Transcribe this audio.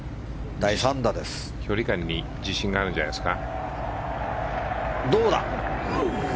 距離感に自信があるんじゃないですか。